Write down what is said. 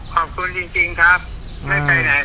ขอบคุณจริงครับ